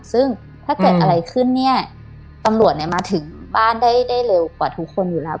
ซึ่งถ้าเกิดอะไรขึ้นเนี่ยตำรวจเนี่ยมาถึงบ้านได้เร็วกว่าทุกคนอยู่แล้ว